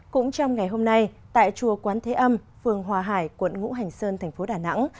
cũng trong ngày hôm nay tại chùa quán thế âm phường hòa hải quận ngũ hành sơn thành phố đà nẵng